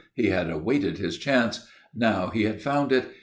He had awaited his chance. Now he had found it.